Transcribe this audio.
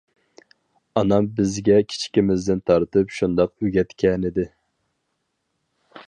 ئانام بىزگە كىچىكىمىزدىن تارتىپ شۇنداق ئۆگەتكەنىدى.